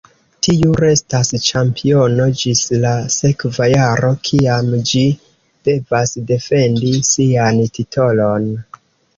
Tiu restas ĉampiono ĝis la sekva jaro, kiam ĝi devas defendi sian titolon.